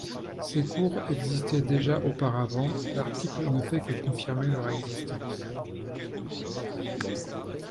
Ces Cour existaient déjà auparavant, l'article ne fait que confirmer leur existence.